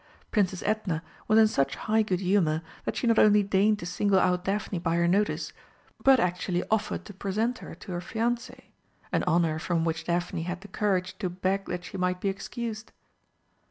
Princess Edna was in such high good humour that she not only deigned to single out Daphne by her notice, but actually offered to present her to her fiancé an honour from which Daphne had the courage to beg that she might be excused.